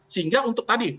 sehingga untuk tadi